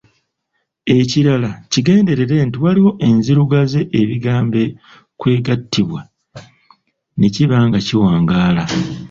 Ekirala, kigenderere nti waliwo enzirugaze ebigambo kw'egattibwa ne kiba nga kiwangaala.